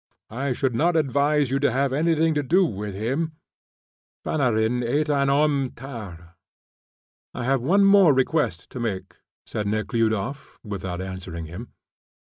"I should not advise you to have anything to do with him. Fanarin est un homme tare." "I have one more request to make," said Nekhludoff, without answering him.